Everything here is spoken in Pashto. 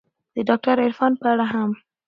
د داکتر عرفان په اړه هم